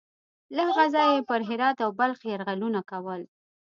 له هغه ځایه یې پر هرات او بلخ یرغلونه کول.